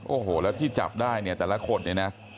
โอ้โหแล้วที่จับได้เนี่ยแต่ละคนเนี่ยนะ